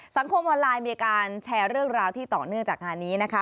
สังคมออนไลน์มีการแชร์เรื่องราวที่ต่อเนื่องจากงานนี้นะคะ